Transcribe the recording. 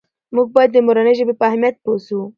موږ باید د مورنۍ ژبې په اهمیت پوه سو.